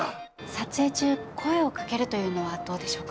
撮影中声をかけるというのはどうでしょうか？